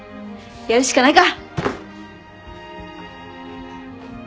やるしかないか！